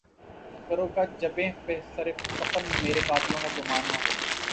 کرو کج جبیں پہ سر کفن مرے قاتلوں کو گماں نہ ہو